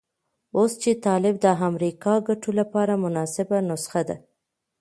اوس چې طالب د امریکا ګټو لپاره مناسبه نسخه ده.